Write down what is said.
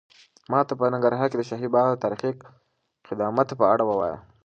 ماته په ننګرهار کې د شاهي باغ د تاریخي قدامت په اړه ووایه.